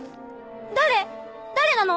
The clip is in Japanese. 誰⁉誰なの？